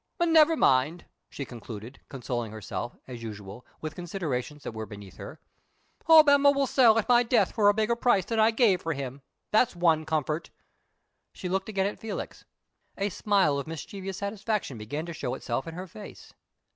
Never mind!" she concluded, consoling herself, as usual, with considerations that were beneath her. "Hobbema will sell at my death for a bigger price than I gave for him that's one comfort!" She looked again at Felix; a smile of mischievous satisfaction began to show itself in her face.